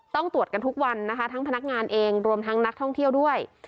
ต้องตรวจกันทุกวันนะคะทั้งพนักงานเองรวมทั้งนักท่องเที่ยวด้วย